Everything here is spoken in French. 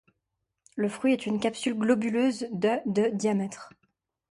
Le fruit est une capsule globuleuse de de diamètre.